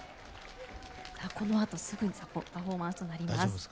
このあとすぐパフォーマンスとなります。